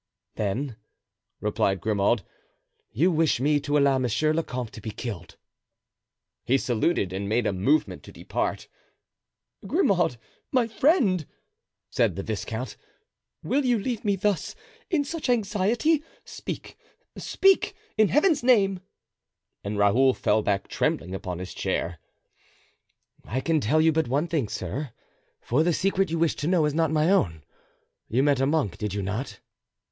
"Then," replied Grimaud, "you wish me to allow monsieur le comte to be killed." He saluted and made a movement to depart. "Grimaud, my friend," said the viscount, "will you leave me thus, in such anxiety? Speak, speak, in Heaven's name!" And Raoul fell back trembling upon his chair. "I can tell you but one thing, sir, for the secret you wish to know is not my own. You met a monk, did you not?"